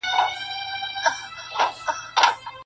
هر دلیل ته یې راوړله مثالونه-